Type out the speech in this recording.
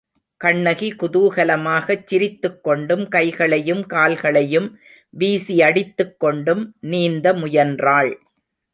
கண்ணகி குதூகலமாகச் சிரித்துக்கொண்டும் கைகளையும் கால்களையும் வீசியடித்துக்கொண்டும் நீந்த முயன்றாள்.